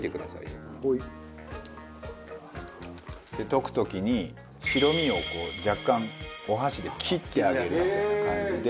溶く時に白身をこう若干お箸で切ってあげるみたいな感じで。